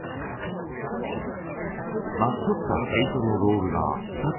巻き取った毛糸のロールが２組。